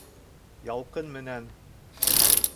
— Ялҡын менән.